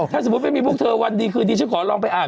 ถ้าสมมุติไม่มีพวกเธอวันดีคืนดีฉันขอลองไปอ่าน